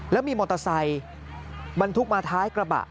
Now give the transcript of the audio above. แล้วมีมอเตอร์ไซค์บรรทุกมาท้ายกระบะ